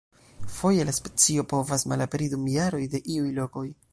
Foje la specio povas malaperi dum jaroj de iuj lokoj.